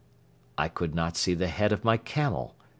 . I could not see the head of my camel.